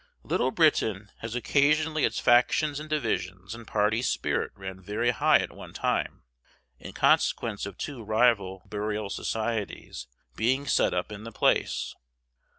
Little Britain has occasionally its factions and divisions, and party spirit ran very high at one time, in consequence of two rival "Burial Societies" being set up in the place.